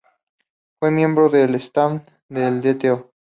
Fue miembro del staff del Dto.